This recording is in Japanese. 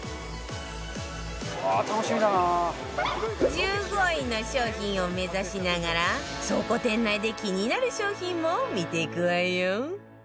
１５位の商品を目指しながら倉庫店内で気になる商品も見ていくわよ